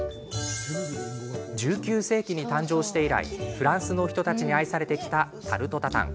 １９世紀に誕生して以来フランスの人たちに愛されてきたタルト・タタン。